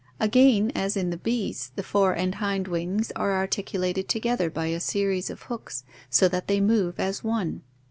Again, as in the bees, the fore and hind wings are articulated together by a series of hooks so that they move as one.